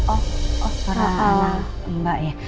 oh oh suara anak mbak ya